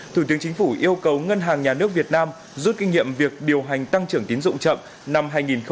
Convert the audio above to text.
thủ tướng chính phủ yêu cầu ngân hàng nhà nước việt nam rút kinh nghiệm việc điều hành tăng trưởng tín dụng chậm năm hai nghìn hai mươi